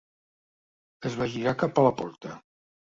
Es va girar cap a la porta.